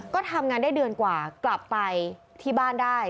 ก็ทำงานได้เดือนกว่ากลับไปที่บ้านได้